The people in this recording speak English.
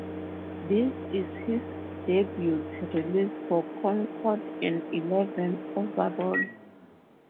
This is his debut release for Concord and eleventh overall.